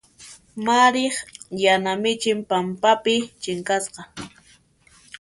Mariq yana michin pampapi chinkasqa.